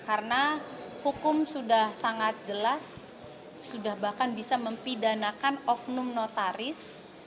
karena hukum sudah sangat jelas sudah bahkan bisa mempidanakan oknum notaris